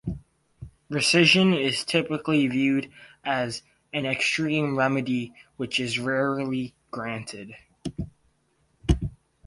Rescission is typically viewed as "an extreme remedy" which is "rarely granted".